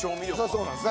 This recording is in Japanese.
そうなんです。